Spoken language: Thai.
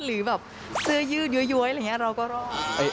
หรือแบบเสื้อยืดย้วยอะไรอย่างนี้เราก็รอด